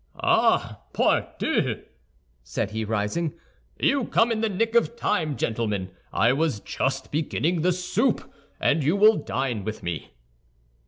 "Ah, pardieu!" said he, rising, "you come in the nick of time, gentlemen. I was just beginning the soup, and you will dine with me."